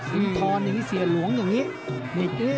ซื้อทอนเสียหลวงอย่างนี้